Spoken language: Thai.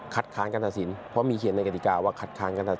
คัดค้างการถามสินเพราะมีเขียนในกติกาว่าคัดค้างการถามสิน